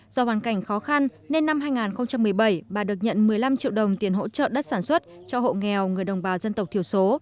do hoàn cảnh khó khăn nên năm hai nghìn một mươi bảy bà được nhận một mươi năm triệu đồng tiền hỗ trợ đất sản xuất cho hộ nghèo người đồng bào dân tộc thiểu số